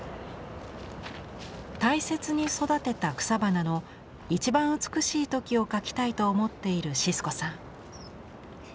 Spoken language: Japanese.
大切に育てた草花の一番美しい時を描きたいと思っているシスコさん。